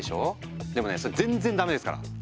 でもねそれぜんっぜんダメですから！